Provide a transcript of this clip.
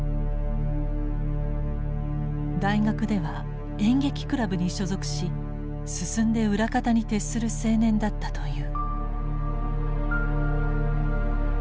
大学では演劇クラブに所属し進んで裏方に徹する青年だったという。